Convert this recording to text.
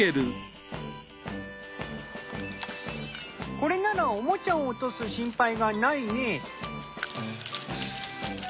これならおもちゃを落とす心配がないね。